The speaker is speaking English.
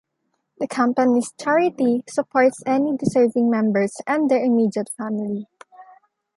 The Company's charity supports any deserving members and their immediate family.